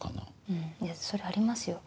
うんそれありますよ。